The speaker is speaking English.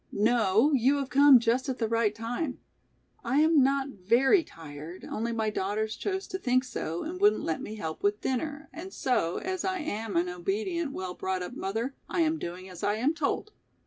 "No, you have come just at the right time. I am not very tired, only my daughters chose to think so and wouldn't let me help with dinner and so, as I am an obedient, well brought up mother, I am doing as I am told.